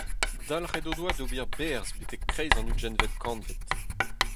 Dalc'het o doa d'ober berzh betek kreiz an ugentvet kantved.